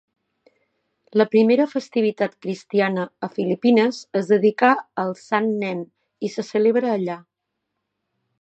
La primera festivitat cristiana a Filipines es dedicà al Sant Nen i se celebra allà.